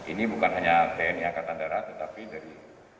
ini bukan hanya tni angkatan darat tetapi dari